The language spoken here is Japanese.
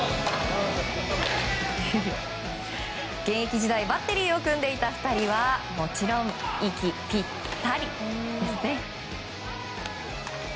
現役時代バッテリーを組んでいた２人はもちろん息ぴったりですね。